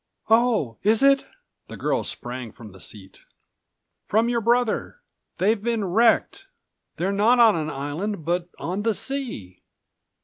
"Oh, is it?" the girl sprang from the seat. "From your brother. They've been wrecked. They're not on an island but on the sea.